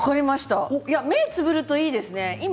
目をつぶるのいいですね。